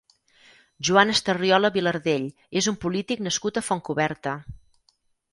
Joan Estarriola Vilardell és un polític nascut a Fontcoberta.